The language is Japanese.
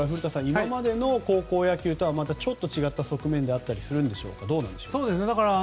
今までの高校野球とはまたちょっと違う側面であったりするんでしょうか。